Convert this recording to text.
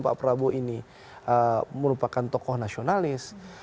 pak prabowo ini merupakan tokoh nasionalis